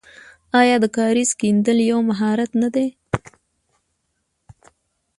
آیا د کاریز کیندل یو مهارت نه دی؟